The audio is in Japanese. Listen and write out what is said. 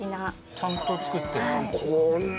ちゃんと作ってる。